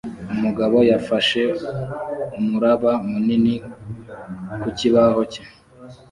Umugabo yafashe umuraba munini ku kibaho cye